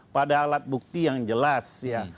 pada alat bukti yang jelas ya